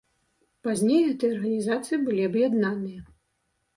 Пазней гэтыя арганізацыі былі аб'яднаныя.